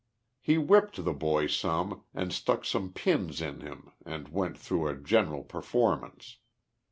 He whipped the boy some, and stuck some pins in him and went through a general performance.